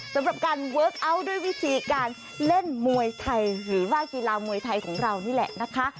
สำหรับการด้วยบิดออกการเล่นมวยไทยหรือว่ากีฬามวยไทยของเรานี่แหละนะคะ